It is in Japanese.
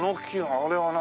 あれは何？